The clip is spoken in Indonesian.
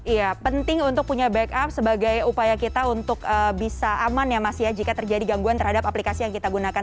iya penting untuk punya backup sebagai upaya kita untuk bisa aman ya mas ya jika terjadi gangguan terhadap aplikasi yang kita gunakan